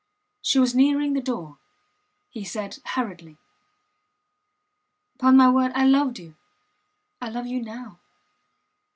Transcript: She was nearing the door. He said hurriedly: Pon my word, I loved you I love you now.